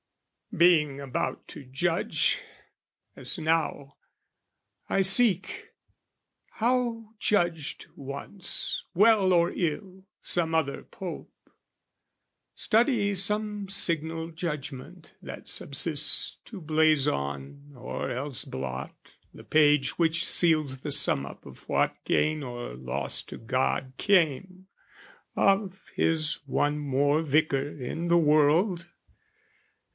Being about to judge, as now, I seek How judged once, well or ill, some other Pope; Study some signal judgment that subsists To blaze on, or else blot, the page which seals The sum up of what gain or loss to God Came of His one more Vicar in the world.